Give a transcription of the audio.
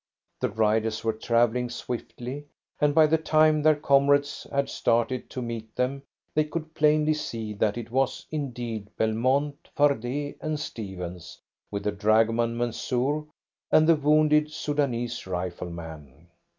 The riders were travelling swiftly, and by the time their comrades had started to meet them they could plainly see that it was indeed Belmont, Fardet, and Stephens, with the dragoman Mansoor, and the wounded Soudanese rifleman.